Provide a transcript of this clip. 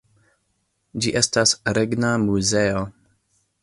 Ĝi estas regna muzeo.